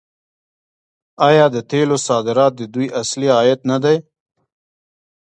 آیا د تیلو صادرات د دوی اصلي عاید نه دی؟